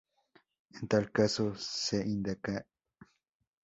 En tal caso se indicará la fuente de información.